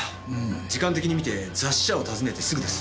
時間的にみて雑誌社を訪ねてすぐです。